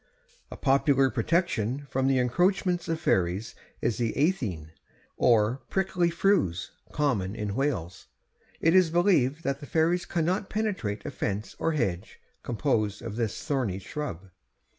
A popular protection from the encroachments of fairies is the eithin, or prickly furze, common in Wales. It is believed that the fairies cannot penetrate a fence or hedge composed of this thorny shrub.